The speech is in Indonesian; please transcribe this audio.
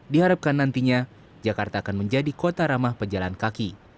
diharapkan nantinya jakarta akan menjadi kota ramah pejalan kaki